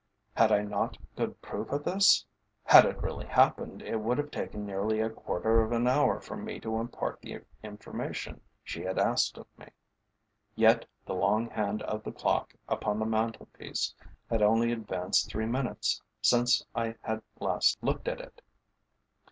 Had I not good proof of this? Had it really happened, it would have taken nearly a quarter of an hour for me to impart the information she had asked of me. Yet the long hand of the clock upon the mantel piece had only advanced three minutes since I had last looked at it.